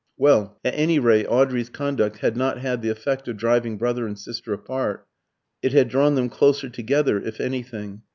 Well, at any rate Audrey's conduct had not had the effect of driving brother and sister apart. It had drawn them closer together if anything.